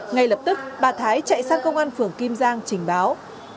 ngay lập tức bà thái chạy sang công an phường kim giang trình báo